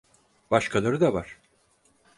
Başkaları da var.